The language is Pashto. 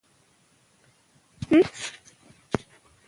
د ایران د پوځ مشران د تېښتې په حال کې وو.